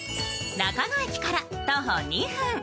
中野駅から徒歩２分。